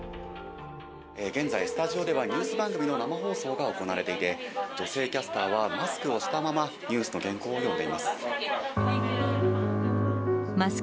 現在、スタジオではニュース番組の生放送が行われていて、女性キャスターはマスクをしたまま、ニュースの原稿を読んでいます。